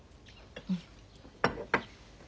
うん。